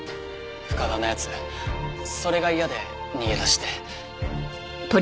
深田の奴それが嫌で逃げ出して。